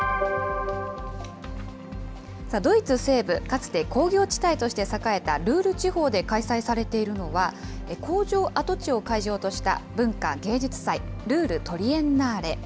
さあ、ドイツ西部、かつて工業地帯として栄えたルール地方で開催されているのは、工場跡地を会場とした文化・芸術祭、ルール・トリエンナーレ。